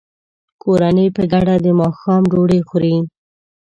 کورنۍ په ګډه د ماښام ډوډۍ خوري.